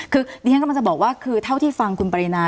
คือดิฉันกำลังจะบอกว่าคือเท่าที่ฟังคุณปรินา